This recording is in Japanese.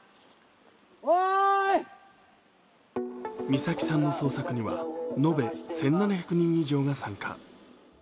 美咲さんの捜索には延べ１７００人以上が参加。